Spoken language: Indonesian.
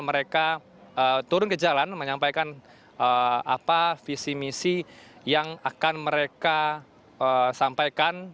mereka turun ke jalan menyampaikan apa visi misi yang akan mereka sampaikan